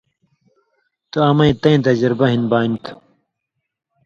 تُو امَیں تَیں تجربہ ہِن بانیۡ تُھو